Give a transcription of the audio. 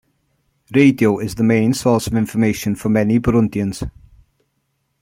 Radio is the main source of information for many Burundians.